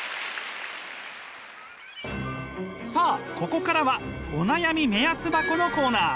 さあここからは「お悩み目安箱」のコーナー。